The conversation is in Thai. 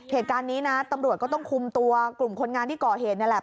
เหตุการณ์นี้นะตำรวชกลุ่มค้นงานที่ก่อเหตุนี่แหละ